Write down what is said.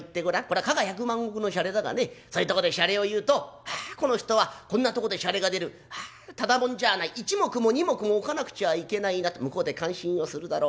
そういうとこでシャレを言うとこの人はこんなとこでシャレが出るあただもんじゃない一目も二目も置かなくちゃあいけないなと向こうで感心をするだろう。